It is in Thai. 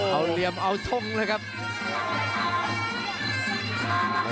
เอาเหลี่ยมเอาทงเลยครับ